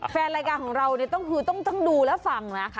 แฟนรายการของเราคือต้องดูและฟังนะค่ะ